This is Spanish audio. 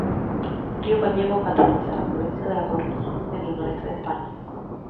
Río gallego que atraviesa la provincia de La Coruña, en el noroeste de España.